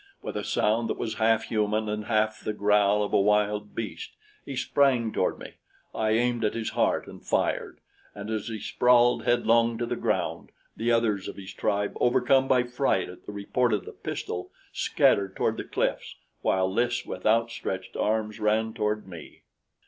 With a sound that was half human and half the growl of a wild beast, he sprang toward me. I aimed at his heart and fired, and as he sprawled headlong to the ground, the others of his tribe, overcome by fright at the report of the pistol, scattered toward the cliffs while Lys, with outstretched arms, ran toward me.